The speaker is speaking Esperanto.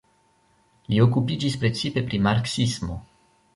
Li okupiĝis precipe pri marksismo.